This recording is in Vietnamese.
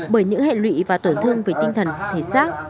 bởi những hệ lụy và tổn thương về tinh thần thể xác